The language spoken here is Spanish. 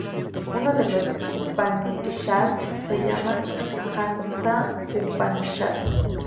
Uno de los "Upanishads" se llama "Jansa-upanishad".